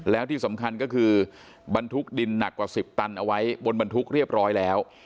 แล้วที่สำคัญก็คือบรรทุกดินหนักกว่า๑๐ตันเอาไว้บนบรรทุกเรียบร้อยแล้ว